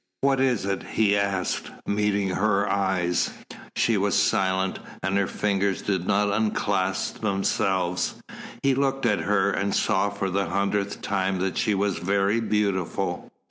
"What is it?" he asked, meeting her eyes. She was silent, and her fingers did not unclasp themselves. He looked at her, and saw for the hundredth time that she was very beautiful.